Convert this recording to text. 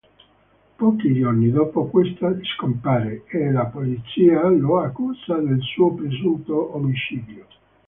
Pochi giorni dopo questa scompare e la polizia lo accusa del suo presunto omicidio.